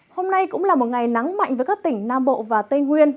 hôm nay cũng là một ngày nắng mạnh với các tỉnh nam bộ và tây nguyên